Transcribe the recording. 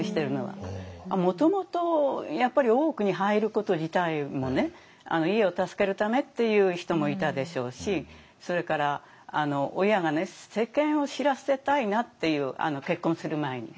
もともとやっぱり大奥に入ること自体も家を助けるためっていう人もいたでしょうしそれから親が世間を知らせたいなっていう結婚する前に。